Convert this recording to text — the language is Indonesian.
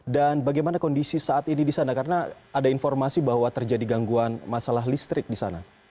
dan bagaimana kondisi saat ini di sana karena ada informasi bahwa terjadi gangguan masalah listrik di sana